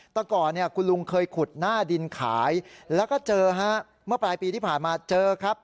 แต่ก่อนเนี่ยคุณลุงเคยขุดหน้าดินขายแล้วก็เจอฮะเมื่อปลายปีที่ผ่านมาเจอครับ